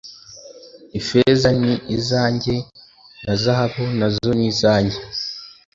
ifeza ni izanjye n izahabu na zo nizanjye